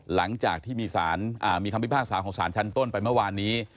หลังจากที่มีสารอ่ามีคำพิมพ์ภาษาของศาลชันต้นไปเมื่อวานนี้